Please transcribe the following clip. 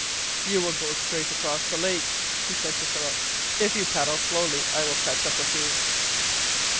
"You will go straight across the lake," he said to Philip. "If you paddle slowly, I will catch up with you."